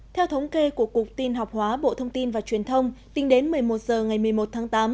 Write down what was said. theo thống kê của cục tin học hóa bộ thông tin và truyền thông tính đến một mươi một h ngày một mươi một tháng tám